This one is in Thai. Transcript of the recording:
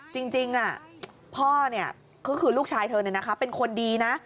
จริงพ่อเนี่ยก็คือลูกชายเธอเนี่ยนะคะเป็นคนดีนะ